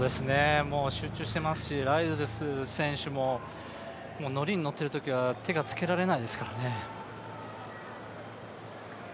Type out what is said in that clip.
集中していますし、ライルズ選手もノリにノっているときは手がつけられないですからね。